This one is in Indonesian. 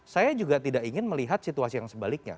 saya juga tidak ingin melihat situasi yang sebaliknya